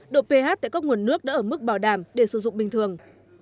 độ ph tại các nguồn nước đã ở mức bảo đảm để sử dụng bình thường